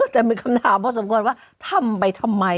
แต่มีคำถามพอสมควรว่าทำไปทำไม